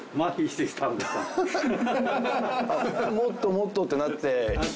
もっともっとってなって？